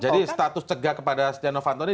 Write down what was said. jadi status cegah kepada stiano fantoni